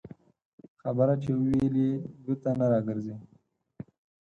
خبره چې ووېلې، بېرته نه راګرځي